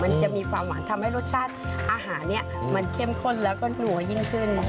มันจะมีความหวานทำให้รสชาติอาหารมันเข้มข้นแล้วก็หนัวยิ่งขึ้น